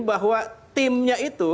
bahwa timnya itu